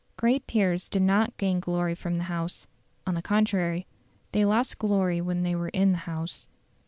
Great peers did not gain glory from the House; on the contrary, they lost glory when they were in the House.